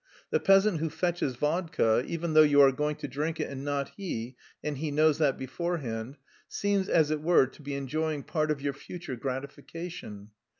The peasant who fetches vodka even though you are going to drink it and not he and he knows that beforehand seems, as it were, to be enjoying part of your future gratification.